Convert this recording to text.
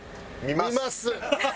見ます！